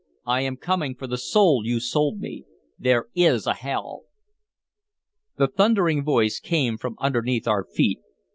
I am coming for the soul you sold me. There is a hell!" The thundering voice came from underneath our feet.